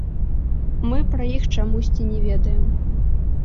Мы пра іх чамусьці не ведаем.